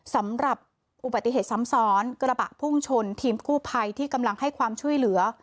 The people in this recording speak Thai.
สำหรับอุบัติเหตุซ้ำซ้อนกระบะพุ่งชนทีมกู้ภัยที่กำลังให้ความช่วยเหลือ